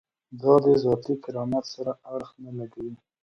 دا د ذاتي کرامت سره اړخ نه لګوي.